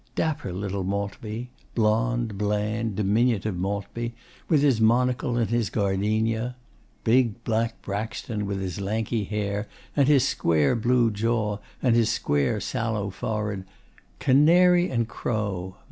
Dapper little Maltby blond, bland, diminutive Maltby, with his monocle and his gardenia; big black Braxton, with his lanky hair and his square blue jaw and his square sallow forehead. Canary and crow.